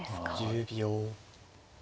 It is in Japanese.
１０秒。